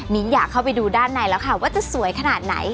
อยากเข้าไปดูด้านในแล้วค่ะว่าจะสวยขนาดไหน